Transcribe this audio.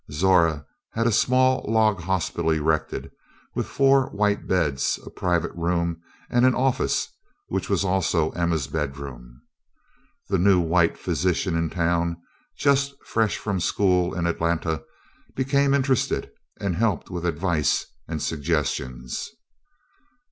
Zora had a small log hospital erected with four white beds, a private room, and an office which was also Emma's bedroom. The new white physician in town, just fresh from school in Atlanta, became interested and helped with advice and suggestions.